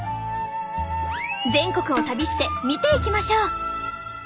全国を旅して見ていきましょう！